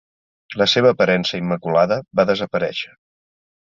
La seva aparença immaculada va desaparèixer.